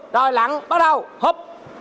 rồi lặn bắt đầu húp